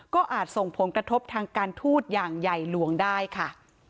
ก็อาจส่งผลกระทบทางการทูตอย่างใหญ่หลวงได้ค่ะ